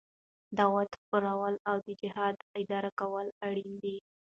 دعوت خپرول او د جهاد اداره کول اړين دي.